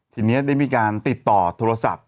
ทีนี้ได้มีการติดต่อโทรศัพท์